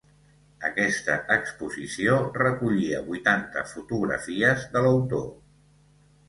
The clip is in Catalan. Aquesta exposició recollia vuitanta fotografies de l'autor.